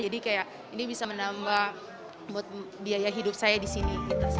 kayak ini bisa menambah biaya hidup saya di sini